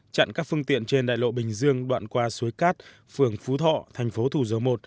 chặn các phương tiện trên đại lộ bình dương đoạn qua suối cát phường phú thọ thành phố thủ dầu một